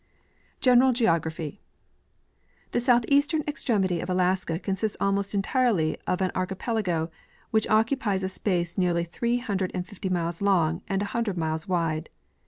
General Geography. ' The southeastern extremity of Alaska consists almost entirely of an archipelago, which occupies a space nearly three hundred and fifty miles long and a hundred miles wide.